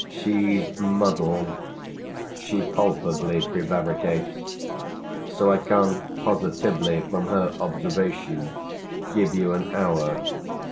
She's muddled, she palpably prevaricates; so I can't positively, from her observation, give you an hour.